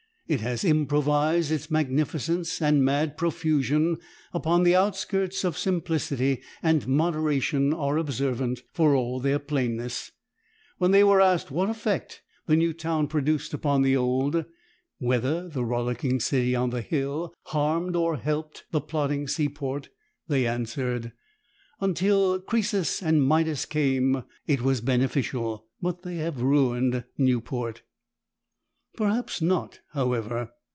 It has improvised its magnificence and mad profusion upon the outskirts of simplicity and moderation are observant, for all their plainness. When they were asked what effect the new town produced upon the old, whether the rollicking city on the hill harmed or helped the plodding seaport, they answered: "Until Crœsus and Midas came, it was beneficial. But they have ruined Newport." Perhaps not, however.